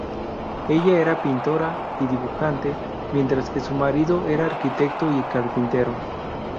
Ella era pintora y dibujante, mientras que su marido era arquitecto y carpintero.